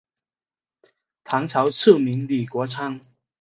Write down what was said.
唐朝赐名李国昌。